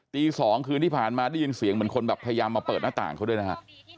๒คืนที่ผ่านมาได้ยินเสียงเหมือนคนแบบพยายามมาเปิดหน้าต่างเขาด้วยนะฮะ